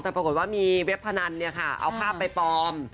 แต่ปรากฏว่ามีเว็บพนันเอาภาพไปปลอม